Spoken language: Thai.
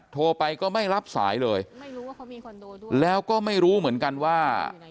โทรไปก็ไม่รับสายเลยแล้วก็ไม่รู้เหมือนกันว่า